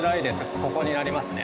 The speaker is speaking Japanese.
ここになりますね。